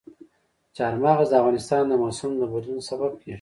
چار مغز د افغانستان د موسم د بدلون سبب کېږي.